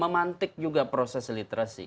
memantik juga proses literasi